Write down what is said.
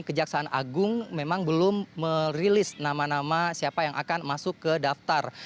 kejaksaan agung memang belum merilis nama nama siapa yang akan masuk ke daftar